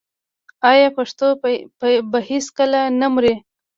آیا پښتو به هیڅکله نه مري؟